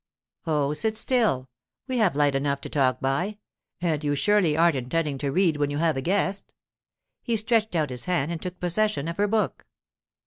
'Oh, sit still. We have light enough to talk by, and you surely aren't intending to read when you have a guest.' He stretched out his hand and took possession of her book.